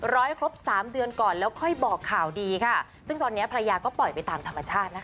ให้ครบสามเดือนก่อนแล้วค่อยบอกข่าวดีค่ะซึ่งตอนเนี้ยภรรยาก็ปล่อยไปตามธรรมชาตินะคะ